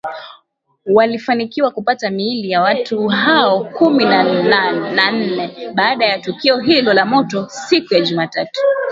Walifanikiwa kupata miili ya watu hao kumi nanne baada ya tukio hilo la moto siku ya Jumatatu